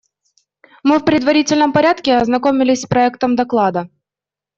Мы в предварительном порядке ознакомились с проектом доклада.